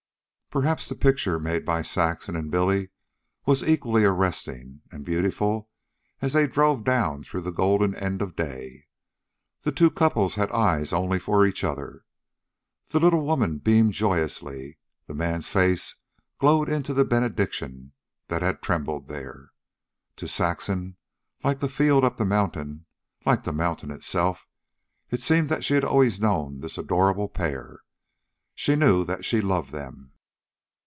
Perhaps the picture made by Saxon and Billy was equally arresting and beautiful, as they drove down through the golden end of day. The two couples had eyes only for each other. The little woman beamed joyously. The man's face glowed into the benediction that had trembled there. To Saxon, like the field up the mountain, like the mountain itself, it seemed that she had always known this adorable pair. She knew that she loved them.